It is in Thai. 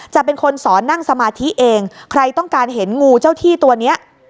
จะเป็นคนสอนนั่งสมาธิเองใครต้องการเห็นงูเจ้าที่ตัวเนี้ย